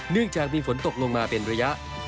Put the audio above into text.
เนื่องจากมีฝนตกลงมาเป็นระยะ